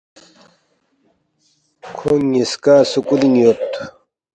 تا کھونگ نِ٘یسکا سکُولِنگ یود